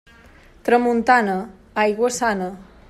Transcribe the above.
Tramuntana, aigua sana.